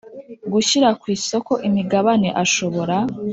gushyira ku isoko imigabane ashobora